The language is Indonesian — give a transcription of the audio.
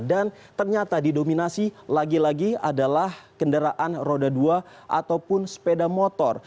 dan ternyata didominasi lagi lagi adalah kendaraan roda dua ataupun sepeda motor